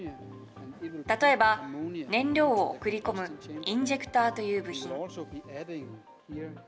例えば、燃料を送り込むインジェクターという部品。